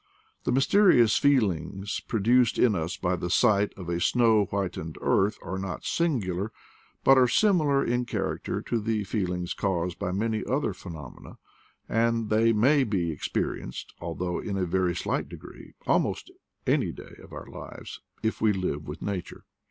The mysterious feel ings produced in ns by the sight of a snow whit ened earth are not singular, but are similar in character to the feelings caused by many other phenomena, and they may be experienced, al though in a very slight degree, almost any day of our lives, if we live with nature.